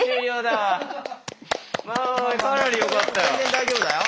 かなりよかったよ。